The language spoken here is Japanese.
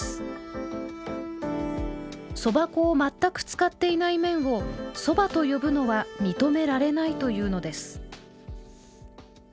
そば粉を全く使っていない麺を「そば」と呼ぶのは認められないというのです。